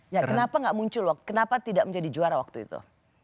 ya kenapa nggak muncul loh kenapa tidak menjadi juara waktu itu